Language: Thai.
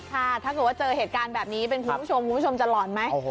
ถ้าเจอเหตุการณ์แบบนี้คุณผู้ชมจะหล่อนไหม